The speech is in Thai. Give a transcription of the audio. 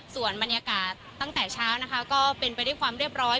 ส่วนบรรยากาศตั้งแต่เช้านะคะก็เป็นไปด้วยความเรียบร้อย